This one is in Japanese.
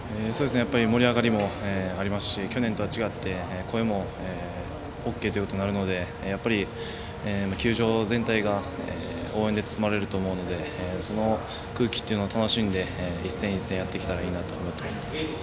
盛り上がりもありますし去年とは違って声もＯＫということになるのでやっぱり、球場全体が応援で包まれると思うのでその空気というのを楽しんで一戦一戦やっていけたらと思います。